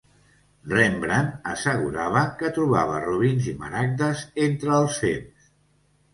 Rembrandt assegurava que trobava robins i maragdes entre els fems.